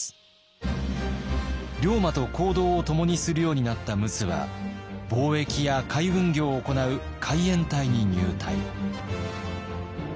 龍馬と行動をともにするようになった陸奥は貿易や海運業を行う海援隊に入隊。